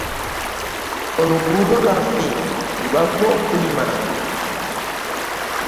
Oluguudo lwaffe lwaggwa okulima?